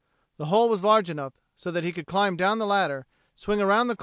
The hole was large enough so that he could climb down the ladder, swing around the corner, and enter.